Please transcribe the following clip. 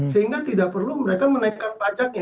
sehingga tidak perlu mereka menaikkan pajaknya